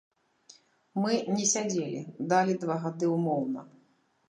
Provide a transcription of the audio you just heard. Мы не сядзелі, далі два гады ўмоўна.